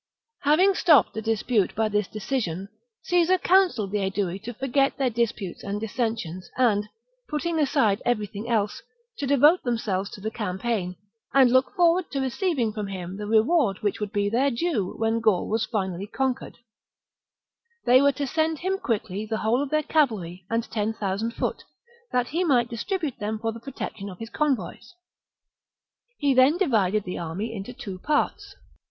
Having stopped the dispute by this deci JJ^'^^j?^ sion, Caesar counselled the Aedui to fors^et their the Aedui, ° sends Labie disputes and dissensions, and, putting aside every "^elf^'"^' thins^ else, to devote themselves to the campais^n, ^"^ ParisH, o ' 1 o ' and marches and look forward to receiving^ from him the re in person *=• against ward which would be their due when Gaul was Gergovia. finally conquered : they were to send him quickly the whole of their cavalry and ten thousand foot, that he might distribute them for the protection of his convoys. He then divided the army into two parts.